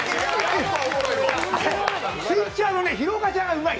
スイッチャーのヒロオカちゃんがうまい。